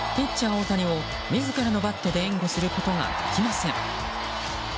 大谷を自らのバットで援護することができません。